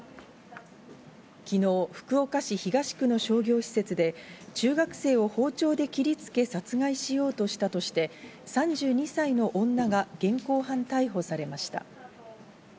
昨日、福岡市東区の商業施設で中学生を包丁で切りつけ、殺害しようとしたとして、３２歳の女が現行犯逮捕されました。